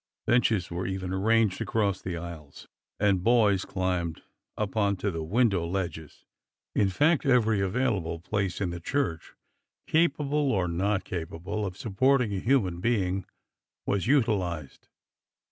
Benches were even arranged across the aisles, and boys climbed up on to the window ledges; in fact, every available place in the church capable or not ca pable of supporting a human being was utilized.